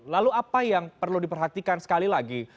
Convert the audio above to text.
lalu apa yang perlu diperhatikan sekali lagi